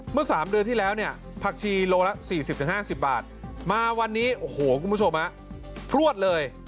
เมื่อ๓เดือนที่แล้วเนี่ยผักชีโลละ๔๐๕๐บาทมาวันนี้โอ้โหคุณผู้ชมพลวดเลย